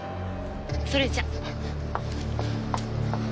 それじゃ。